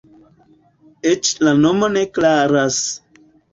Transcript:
Eĉ la nomo ne klaras.